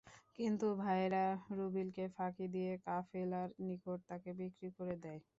কিন্তু ভাইয়েরা রুবীলকে ফাঁকি দিয়ে কাফেলার নিকট তাঁকে বিক্রি করে দেয়।